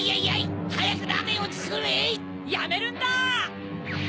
・やめるんだ！